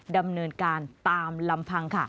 ดำเนินการตามลำพังค่ะ